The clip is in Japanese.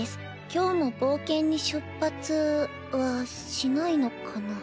今日も冒険に出発はしないのかな？